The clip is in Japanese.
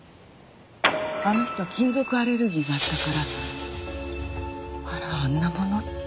あの人は金属アレルギーがあったからあらあんなものって。